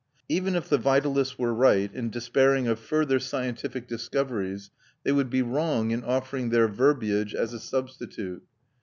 Even if the vitalists were right in despairing of further scientific discoveries, they would be wrong in offering their verbiage as a substitute.